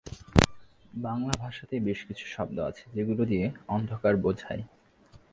বাংলা ভাষাতে বেশ কিছু শব্দ আছে যেগুলো দিয়ে অন্ধকার বোঝায়।